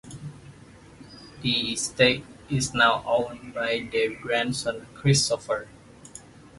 The estate is now owned by their grandson Christopher.